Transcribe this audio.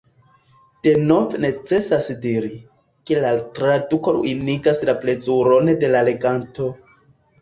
Denove necesas diri, ke la traduko ruinigas la plezuron de la leganto.